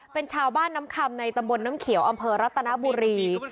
เป็นชาวบ้านน้ำคำในตำบลน้ำเขียวอำเภอรัตนบุรี